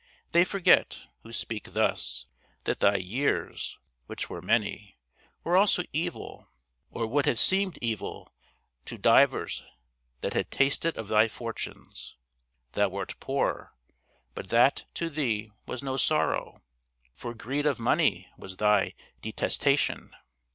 They forget, who speak thus, that thy years, which were many, were also evil, or would have seemed evil to divers that had tasted of thy fortunes. Thou wert poor, but that, to thee, was no sorrow, for greed of money was thy detestation.